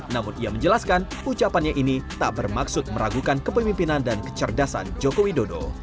namun ia menjelaskan ucapannya ini tak bermaksud meragukan kepemimpinan dan kecerdasan joko widodo